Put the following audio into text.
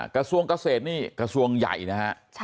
กระทรวงเกษตรนี่กระทรวงใหญ่นะฮะ